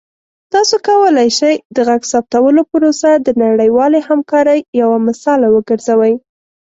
تاسو کولی شئ د غږ ثبتولو پروسه د نړیوالې همکارۍ یوه مثاله وګرځوئ.